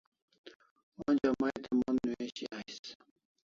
Onja Mai te mon newishi ais